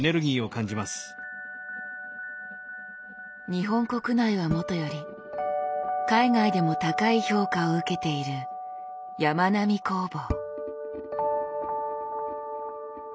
日本国内はもとより海外でも高い評価を受けているやまなみ工房。